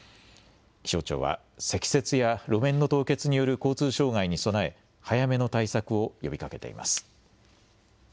気象庁は積雪や路面の凍結による交通障害に備え、早めの対策を呼びかけています。